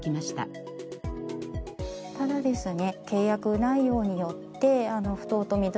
ただですね